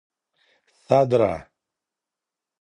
سدره